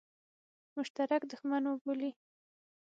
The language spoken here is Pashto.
مشترک دښمن وبولي.